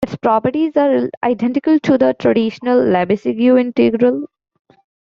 Its properties are identical to the traditional Lebesgue integral.